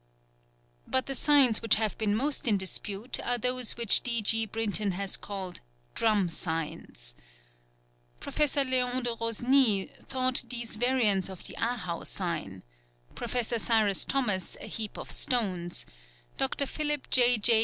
But the signs which have been most in dispute are those which D. G. Brinton has called "Drum Signs." Professor Leon de Rosny thought these variants of the ahau sign; Professor Cyrus Thomas a heap of stones; Dr. Phillip J. J.